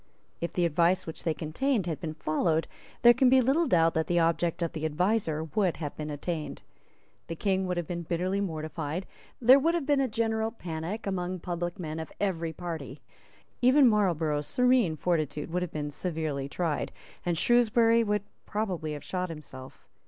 If the advice which they contained had been followed, there can be little doubt that the object of the adviser would have been attained. The King would have been bitterly mortified; there would have been a general panic among public men of every party; even Marlborough's serene fortitude would have been severely tried; and Shrewsbury would probably have shot himself.